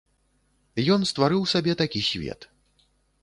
Ён стварыў сабе такі свет.